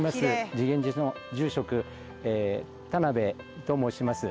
慈眼寺の住職、田辺と申します。